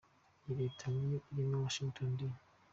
Iyi Leta ni yo irimo Washington D.